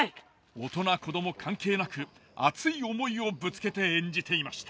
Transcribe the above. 大人子ども関係なく熱い思いをぶつけて演じていました。